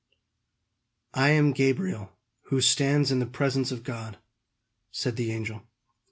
"I am Gabriel, who stands in the presence of God," said the angel.